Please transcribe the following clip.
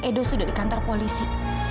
edo sudah di kantor polisi